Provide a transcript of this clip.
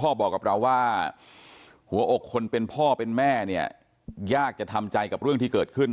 พ่อบอกกับเราว่าหัวอกคนเป็นพ่อเป็นแม่เนี่ยยากจะทำใจกับเรื่องที่เกิดขึ้น